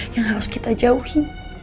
yang harus kita jauhi